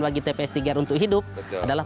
bagi tps tiga r untuk hidup adalah